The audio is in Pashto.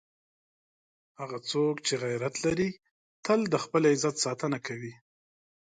هغه څوک چې غیرت لري، تل د خپل عزت ساتنه کوي.